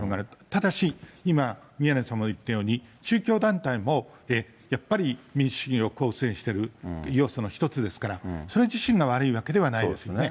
ただし、今宮根さんも言ったように、宗教団体もやっぱり民主主義を構成している要素の一つですから、それ自身が悪いわけではないですよね。